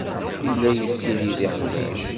Yella yessirid iqbac.